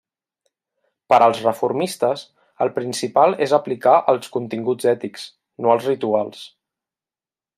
Per als reformistes, el principal és aplicar els continguts ètics, no els rituals.